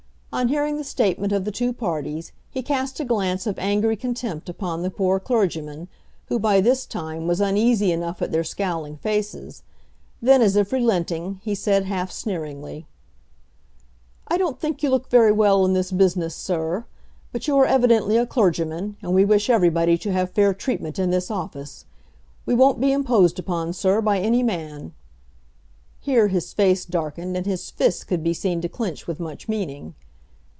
On hearing the statement of the two parties, he cast a glance of angry contempt upon the poor clergyman, who, by this time, was uneasy enough at their scowling faces. Then, as if relenting, he said half sneeringly: "I don't think you look very well in this business, Sir. But you are evidently a clergyman, and we wish everybody to have fair treatment in this office. We won't be imposed upon, Sir, by any man!" (Here his face darkened, and his fists could be seen to clench with much meaning.)